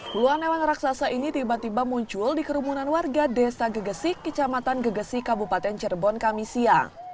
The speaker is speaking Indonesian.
puluhan hewan raksasa ini tiba tiba muncul di kerumunan warga desa gegesik kecamatan gegesik kabupaten cirebon kamisia